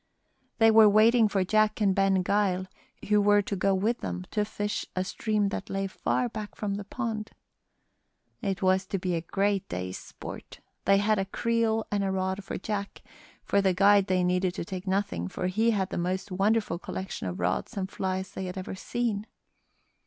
They were waiting for Jack and Ben Gile, who were to go with them to fish a stream that lay far back from the pond. It was to be a great day's sport. They had a creel and a rod for Jack; for the guide they needed to take nothing, for he had the most wonderful collection of rods and flies they had ever seen.